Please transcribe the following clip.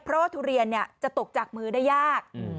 เพราะทุเรียนเนี้ยจะตกจากมือได้ยากอืม